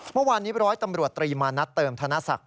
เมื่อวานนี้ร้อยตำรวจตรีมานัดเติมธนศักดิ